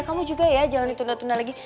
kamu juga ya jangan ditunda tunda lagi